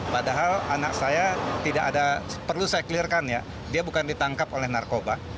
padahal anak saya tidak ada perlu saya clear kan ya dia bukan ditangkap oleh narkoba